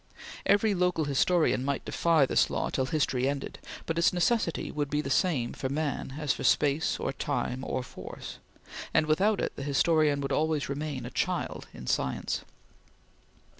Every local historian might defy this law till history ended, but its necessity would be the same for man as for space or time or force, and without it the historian would always remain a child in science.